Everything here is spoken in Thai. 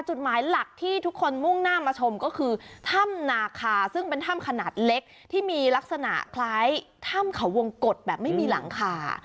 จุดหมายหลักที่ทุกคนมุ่งหน้ามาชมก็คือถ้ำนาคาซึ่งเป็นถ้ำขนาดเล็กที่มีลักษณะคล้ายถ้ำเขาวงกฎแบบไม่มีหลังคา